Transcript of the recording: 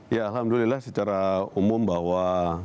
ya alhamdulillah secara umum bahwa